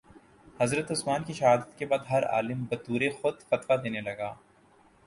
حضرت عثمان کی شہادت کے بعد ہر عالم بطورِ خود فتویٰ دینے لگا